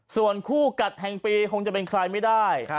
ส่วนคู่กัดแห่งปีคงจะเป็นใครไม่ได้